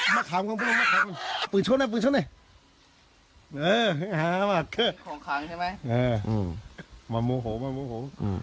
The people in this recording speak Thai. มาโมโหมาโมโห